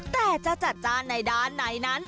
แต่จะจัดจ้านในด้านไหนนั้น